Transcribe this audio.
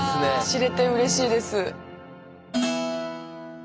知れてうれしいです。